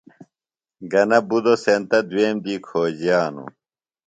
گہ نہ بُدو سینتہ دُوئیم دی کھوجِیانوۡ۔